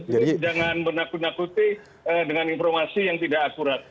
jangan menakuti dengan informasi yang tidak akurat